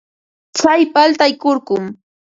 Tsay paltay kurkum.